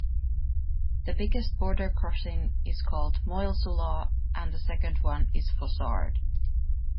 The biggest border crossing is called Moillesulaz and the second one is Fossard.